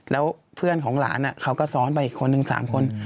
แล้วเพื่อนของหลานเขาก็ซ้อนไปอีกคนนึง๓คน